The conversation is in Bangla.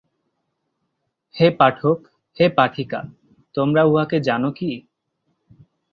হে পাঠক, হে পাঠিকা, তোমরা উঁহাকে জান কি।